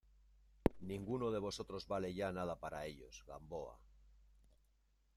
ninguno de nosotros vale ya nada para ellos, Gamboa.